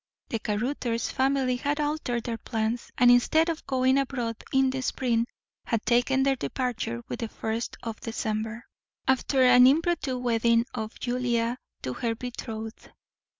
The Caruthers family had altered their plans; and instead of going abroad in the spring, had taken their departure with the first of December, after an impromptu wedding of Julia to her betrothed.